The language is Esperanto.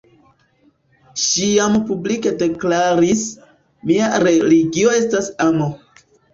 Ŝi jam publike deklaris, «mia religio estas amo».